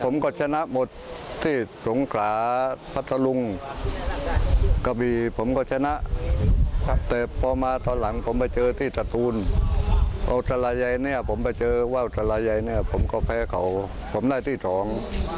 เมื่อเจอว่าวสลายแยร์เนี่ยผมก็แพ้เขาผมได้ที่สอง